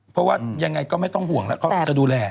เพราะว่ายังไงก็ไม่ต้องห่วงแล้วเขาจะดูแล